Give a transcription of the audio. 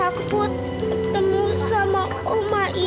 lara takut ketemu sama oma indi